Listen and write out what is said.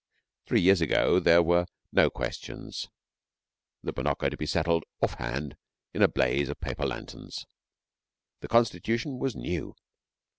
Three years ago there were no questions that were not going to be settled off hand in a blaze of paper lanterns. The Constitution was new.